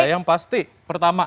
yang pasti pertama